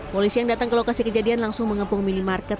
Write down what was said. polisi yang datang ke lokasi kejadian langsung mengepung minimarket